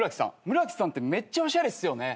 村木さんってめっちゃおしゃれっすよね。